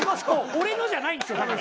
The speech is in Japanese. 俺のじゃないんですよ。